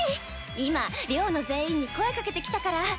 今寮の全員に声掛けてきたから。